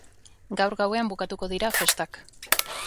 Gaur gauean bukatuko dira festak.